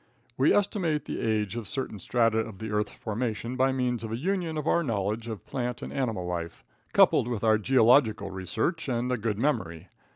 We estimate the age of certain strata of the earth's formation by means of a union of our knowledge of plant and animal life, coupled with our geological research and a good memory.